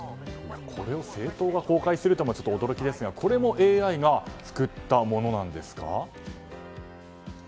これを政党が公開するっていうのは驚きですがこれもＡＩが作ったものなんですか？